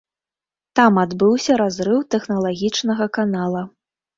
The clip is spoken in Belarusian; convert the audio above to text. Там адбыўся разрыў тэхналагічнага канала.